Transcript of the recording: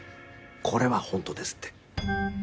これはほんとですって。